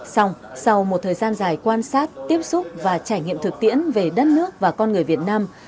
xong sau một thời gian dài quan sát tiếp xúc và trải nghiệm thực tiễn về đất nước và con người việt nam